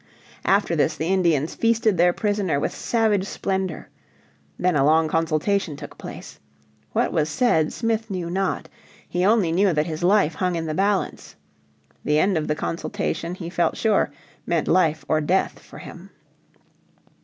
After this the Indians feasted their prisoner with savage splendour. Then a long consultation took place. What was said Smith knew not. He only knew that his life hung in the balance. The end of the consultation he felt sure meant life or death for him.